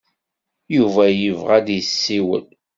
Yuba yebɣa ad d-yessiwel.